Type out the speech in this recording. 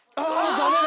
ダメだ。